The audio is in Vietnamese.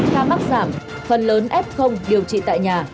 ca mắc giảm phần lớn f điều trị tại nhà